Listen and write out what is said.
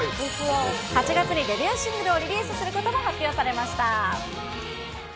８月にデビューシングルをリリースすることも発表されました。